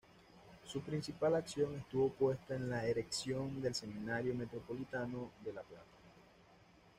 Su principal acción estuvo puesta en la erección del Seminario Metropolitano de La Plata.